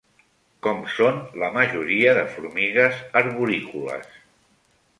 Com són la majoria de formigues arborícoles?